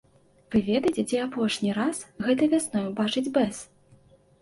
Вы ведаеце, дзе апошні раз гэтай вясной убачыць бэз?